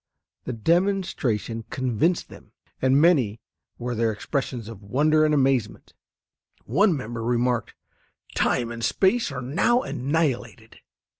The demonstration convinced them, and many were their expressions of wonder and amazement. One member remarked, "Time and space are now annihilated."